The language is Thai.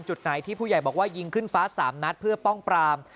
จุดไหนที่ผู้ใหญ่บอกว่ายิงขึ้นฟ้า๓นัดเพื่อป้องปราม